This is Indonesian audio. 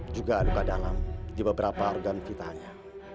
juga luka dalam di beberapa organ vitalnya